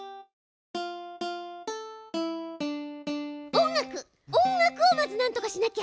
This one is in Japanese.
音楽音楽をまずなんとかしなきゃ。